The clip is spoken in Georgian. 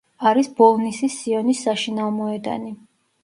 არის ბოლნისის სიონის საშინაო მოედანი.